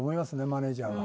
マネジャーは。